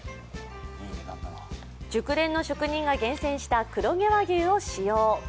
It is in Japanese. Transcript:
熟練の職人が厳選した黒毛和牛を使用。